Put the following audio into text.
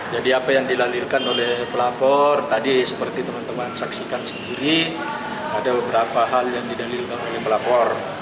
jadi apa yang dilalirkan oleh pelapor tadi seperti teman teman saksikan sendiri ada beberapa hal yang didalilkan oleh pelapor